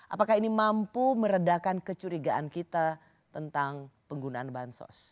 apakah ini mampu meredakan kecurigaan kita tentang penggunaan bansos